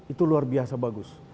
itu luar biasa bagus